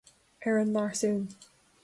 Ar an ngarsún